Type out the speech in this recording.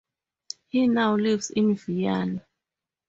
He now lives in Vienna.